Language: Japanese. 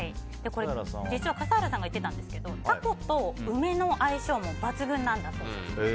実は笠原さんが言ってたんですけどタコと梅の相性も抜群なんだそうです。